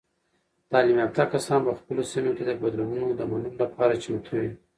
تعلیم یافته کسان په خپلو سیمو کې د بدلونونو د منلو لپاره چمتو وي.